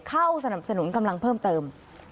เข้าสนับสนุนกำลังเพิ่มเติม